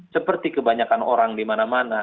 seperti kebanyakan orang dimana mana